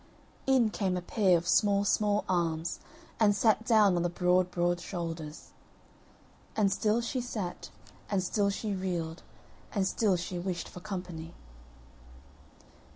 In came a pair of small small arms, and sat down on the broad broad shoulders; And still she sat, and still she reeled, and still she wished for company.